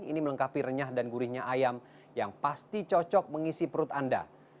ini melengkapi renyah dan gurihnya ayam yang pasti cocok mengisi perut anda